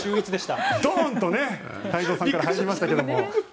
ドン！と太蔵さんから始まりましたけど。